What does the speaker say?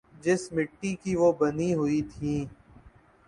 جس مٹی کی وہ بنی ہوئی تھیں۔